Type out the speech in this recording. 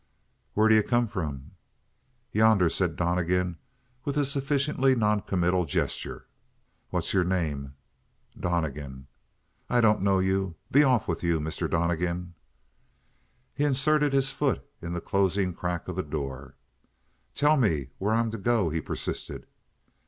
"Where d'you come from?" "Yonder," said Donnegan, with a sufficiently noncommittal gesture. "What's your name?" "Donnegan." "I don't know you. Be off with you, Mr. Donnegan!" He inserted his foot in the closing crack of the door. "Tell me where I'm to go?" he persisted.